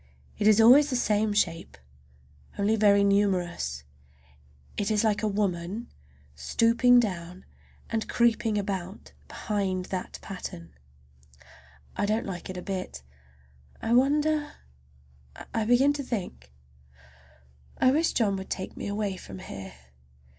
It is always the same shape, only very numerous. And it is like a woman stooping down and creeping about behind that pattern. I don't like it a bit. I wonder—I begin to think—I wish John would take me away from here!